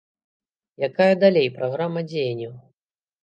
Якая далей праграма дзеянняў?